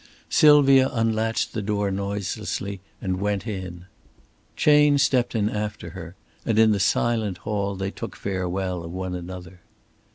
Sylvia unlatched the door noiselessly and went in. Chayne stepped in after her; and in the silent hall they took farewell of one another.